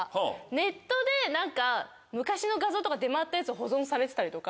ネットで昔の画像とか出回ったやつを保存されてたりとか。